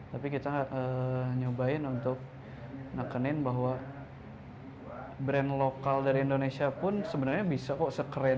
tapi kita nyobain untuk nekenin bahwa brand lokal dari indonesia pun sebenarnya bisa kok sekeren